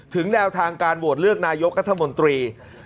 แนวทางการโหวตเลือกนายกรัฐมนตรี